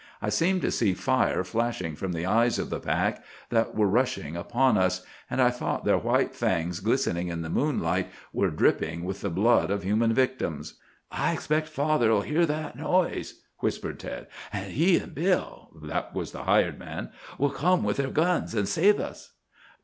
I seemed to see fire flashing from the eyes of the pack that were rushing upon us; and I thought their white fangs, glistening in the moonlight, were dripping with the blood of human victims. "'I expect father'll hear that noise,' whispered Ted, 'and he and Bill' (that was the hired man) 'will come with their guns and save us.